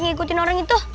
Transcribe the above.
ngikutin orang itu